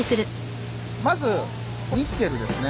まずニッケルですね。